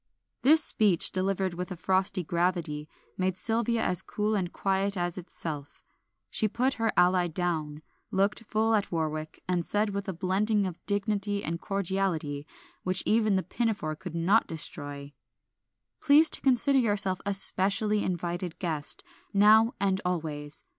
This speech, delivered with frosty gravity, made Sylvia as cool and quiet as itself. She put her ally down, looked full at Warwick, and said with a blending of dignity and cordiality which even the pinafore could not destroy "Please to consider yourself a specially invited guest, now and always.